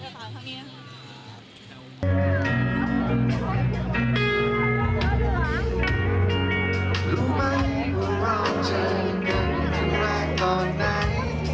อย่างนี้รู้ไหมว่าเราเจอกันเพราะว่าก่อนไหน